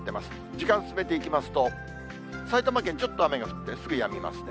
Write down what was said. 時間進めていきますと、埼玉県ちょっと雨が降って、すぐやみますね。